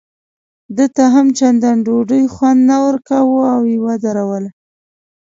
ده ته هم چندان ډوډۍ خوند نه ورکاوه او یې ودروله.